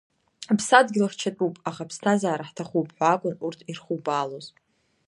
Аԥсадгьыл хьчатәуп, аха аԥсҭазаара ҳҭахуп, ҳәа акәын урҭ ирхубаалоз.